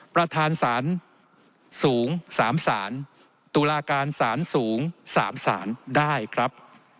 ประธานสารสูง๓สารตุลาการสารสูง๓สารได้ครับ